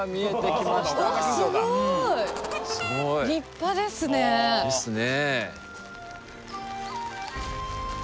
すごい立派ですねですね